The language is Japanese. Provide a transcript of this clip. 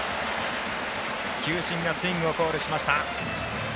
球審がスイングをコールしました。